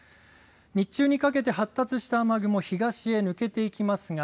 日中にかけて発達した雨雲は東へ抜けていきますが。